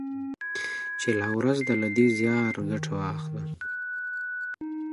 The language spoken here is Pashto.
چي لا ورځ ده له دې زياره ګټه واخله